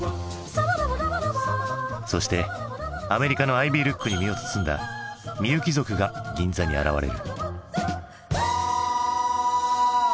そしてアメリカのアイビールックに身を包んだ「みゆき族」が銀座に現れる。